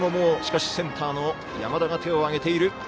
センターの山田が手を上げている。